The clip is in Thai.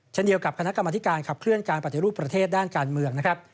เช่นเดียวกับคณะกรรมธิการขับเคลื่อนการปฏิรูปประเทศด้านการเมืองนะครับ